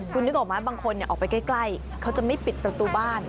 คุณนึกออกไหมบางคนออกไปใกล้เขาจะไม่ปิดประตูบ้าน